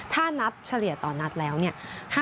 ถ้านัดเฉลี่ยต่อนัดแล้ว๕๗๐๗คนเลย